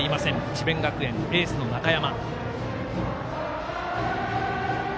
智弁学園、エースの中山。